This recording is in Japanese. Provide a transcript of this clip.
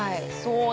そう